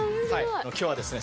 今日はですね